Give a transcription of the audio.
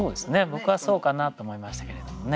僕はそうかなと思いましたけれどもね。